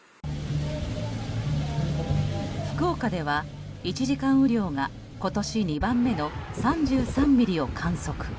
福岡では１時間雨量が今年２番目の３３ミリを観測。